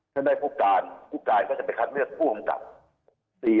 ถ้าได้ผู้การก็จะไปคัดเลือกผู้คำกัด